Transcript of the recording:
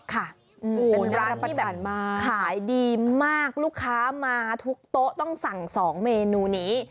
ค่ะเป็นร้านที่แบบขายดีมากลูกค้ามาทุกโต๊ะต้องสั่ง๒เมนูนี้